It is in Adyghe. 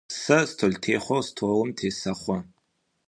Сэ столтехъор столым тесэхъо.